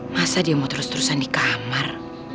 masa dia mau terus terusan di kamar